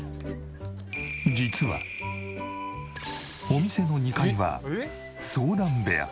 お店の２階は相談部屋。